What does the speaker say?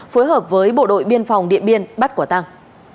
phối hợp với bộ đội biên phòng điện biên bắt quả tăng